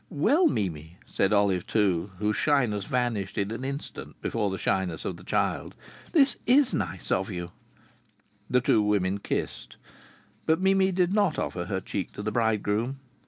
"Well, Mimi," said Olive Two, whose shyness vanished in an instant before the shyness of the child. "This is nice of you." The two women kissed. But Mimi did not offer her cheek to the bridegroom.